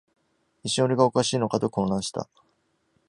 一瞬、俺がおかしいのかと混乱した